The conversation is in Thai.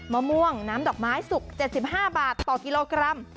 มะม่วงน้ำดอกไม้สุก๗๕บาทต่อกิโลกรัม